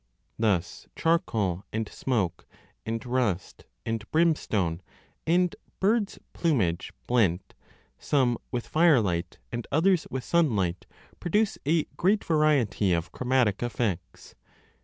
Thus charcoal and smoke, and rust, and brimstone, and birds plumage blent, some with firelight and others with 30 sunlight, produce a great variety of chromatic effects.